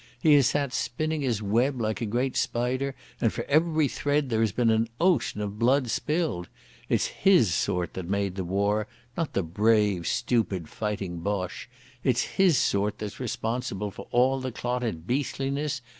He has sat spinning his web like a great spider and for every thread there has been an ocean of blood spilled. It's his sort that made the war, not the brave, stupid, fighting Boche. It's his sort that's responsible for all the clotted beastliness....